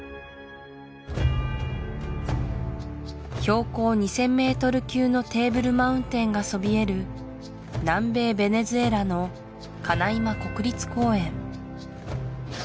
標高２０００ｍ級のテーブルマウンテンがそびえる南米ベネズエラのカナイマ国立公園